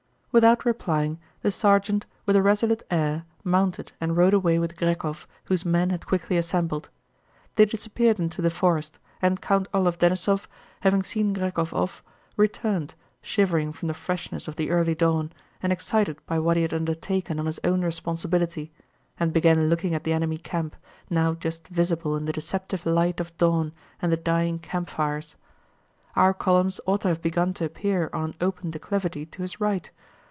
Without replying, the sergeant, with a resolute air, mounted and rode away with Grékov whose men had quickly assembled. They disappeared into the forest, and Count Orlóv Denísov, having seen Grékov off, returned, shivering from the freshness of the early dawn and excited by what he had undertaken on his own responsibility, and began looking at the enemy camp, now just visible in the deceptive light of dawn and the dying campfires. Our columns ought to have begun to appear on an open declivity to his right.